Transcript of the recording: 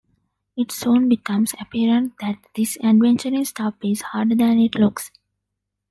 It soon becomes apparent that this adventuring stuff is harder than it looks.